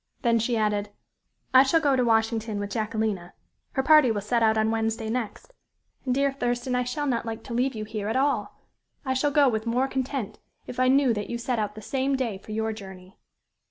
Then she added "I shall go to Washington with Jacquelina. Her party will set out on Wednesday next. And, dear Thurston, I shall not like to leave you here, at all. I shall go with more content, if I knew that you set out the same day for your journey."